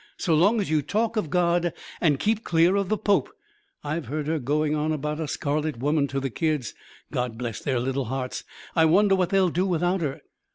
So long as you talk of God and keep clear of the Pope. I've heard her going on about a Scarlet Woman to the kids. (God bless their little hearts! I wonder what they'll do without her!)